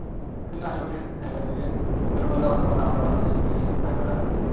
শুটিংয়ের আশপাশের জায়গাজুড়ে বেলুনওয়ালা, বাদামওয়ালা, আমড়াওয়ালাদের ভিড়ে প্রায় মেলা জমে যায়।